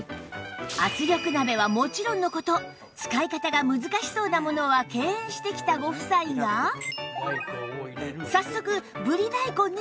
圧力鍋はもちろんの事使い方が難しそうなものは敬遠してきたご夫妻が早速ぶり大根に挑戦！